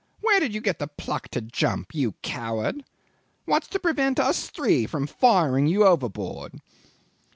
Where did you get the pluck to jump you coward? What's to prevent us three from firing you overboard?